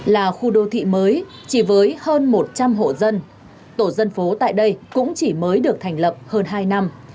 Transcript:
là khu đô thị mới chỉ với hơn một trăm linh hộ dân tổ dân phố tại đây cũng chỉ mới được thành lập hơn hai năm